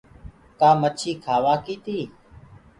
ڪآ مڇي کآوآ ڪي تي؟